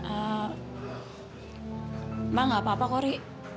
eee mbak gak apa apa kori